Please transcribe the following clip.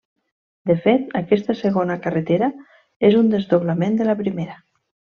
De fet, aquesta segona carretera és un desdoblament de la primera.